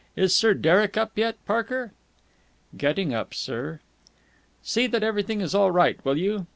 Is Sir Derek up yet, Barker?" "Getting up, sir." "See that everything is all right, will you?